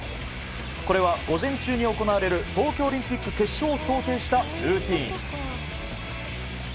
これは午前中に行われる東京オリンピック決勝を想定したルーチン。